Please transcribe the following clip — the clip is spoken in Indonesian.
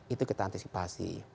itu kita antisipasi